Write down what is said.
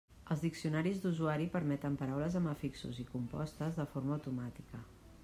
Els diccionaris d'usuari permeten paraules amb afixos i compostes de forma automàtica.